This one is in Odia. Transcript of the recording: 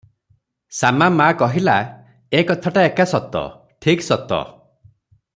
ଶାମା ମାଆ କହିଲା, "ଏକଥାଟାଏକା ସତ, ଠିକ୍ ସତ ।